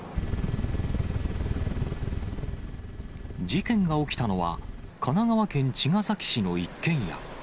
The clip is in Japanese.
事件が起きたのは、神奈川県茅ヶ崎市の一軒家。